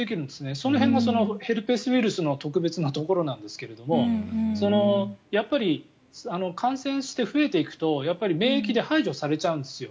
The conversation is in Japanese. その辺もヘルペスウイルスの特別なところなんですがやっぱり、感染して増えていくと免疫で排除されちゃうんですよ。